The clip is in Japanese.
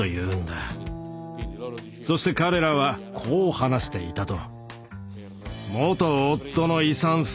そして彼らはこう話していたと。